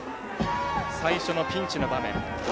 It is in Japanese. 最初のピンチの場面。